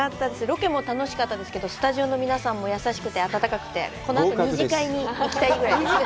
ロケも楽しかったですけどスタジオの皆さんも優しくて、温かくて、このあと２次会に行きたいぐらいです。